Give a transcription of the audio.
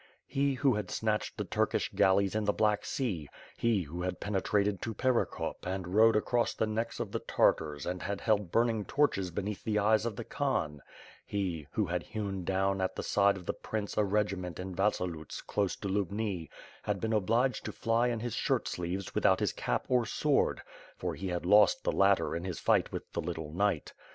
He, who had snatched the Turkish galleys in the Black Sea; he, who had penetrated to Perekop and role across the necks of the Tartars and had held burning torches beneath the eyes of the Khan; he, who had hewn down at the side of the prince a regiment in Vasi loots close to Lubni, had been obliged to fly in his shirt sleeves without his cap or sword — for he had lost the latter in his fight with the little knight.